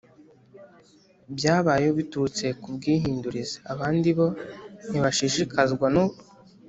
byabayeho biturutse ku bwihindurize Abandi bo ntibashishikazwa no